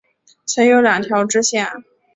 曾有两条支线。